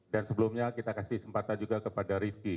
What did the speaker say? sebelumnya kita kasih kesempatan juga kepada rifki